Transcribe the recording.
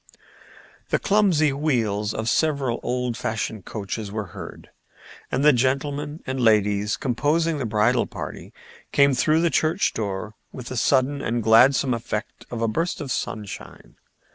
The clumsy wheels of several old fashioned coaches were heard, and the gentlemen and ladies composing the bridal party came through the church door with the sudden and gladsome effect of a burst of sunshine.